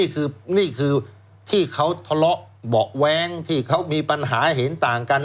นี่คือนี่คือที่เขาทะเลาะเบาะแว้งที่เขามีปัญหาเห็นต่างกัน